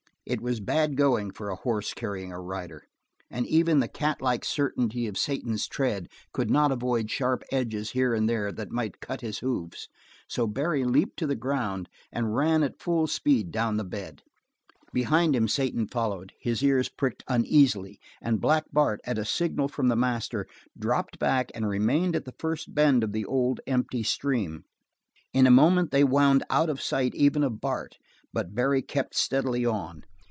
It was bad going for a horse carrying a rider, and even the catlike certainty of Satan's tread could not avoid sharp edges here and there that might cut his hoofs. So Barry leaped to the ground and ran at full speed down the bed. Behind him Satan followed, his ears pricked uneasily, and Black Bart, at a signal from the master, dropped back and remained at the first bend of the old, empty stream. In a moment they wound out of sight even of Bart, but Barry kept steadily on.